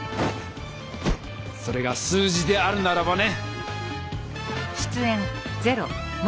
それが数字であるならばね！